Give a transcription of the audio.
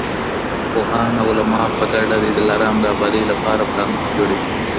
پوهان او علما په ګډه د دلارام د ابادۍ لپاره پلانونه جوړوي.